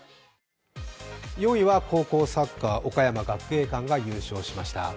４位は高校サッカー、岡山学芸館が優勝しました。